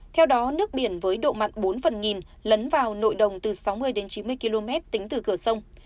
theo đó nước biển với độ mặn bốn phần nghìn lấn vào nội đồng từ sáu mươi đến chín mươi km tính từ cửa sông